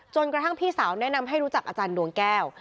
กระทั่งพี่สาวแนะนำให้รู้จักอาจารย์ดวงแก้ว